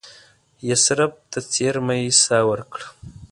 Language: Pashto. یثرب ته څېرمه یې ساه ورکړه.